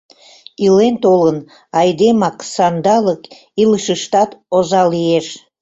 Илен-толын, айдемак сандалык илышыштат оза лиеш.